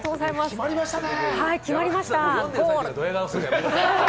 決まりましたね。